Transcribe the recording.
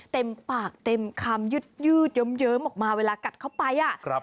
เต็มปากเต็มคำยืดเยิ้มออกมาเวลากัดเข้าไป